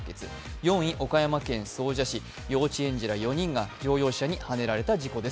４位、岡山県総社市、幼稚園児ら４人が乗用車にはねられた事件。